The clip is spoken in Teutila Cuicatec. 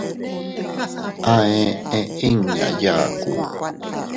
A eʼe inña yaku.